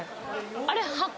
あれ。